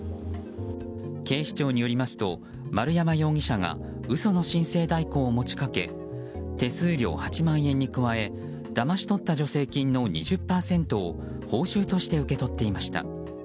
警視庁によりますと丸山容疑者が嘘の申請代行を持ち掛け手数料８万円に加えだまし取った助成金の２０％を報酬として受け取っていました。